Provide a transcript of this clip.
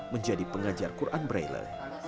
menjadi pengajar qur an braille